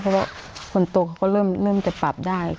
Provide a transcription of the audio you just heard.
เพราะว่าคนโตเขาก็เริ่มจะปรับได้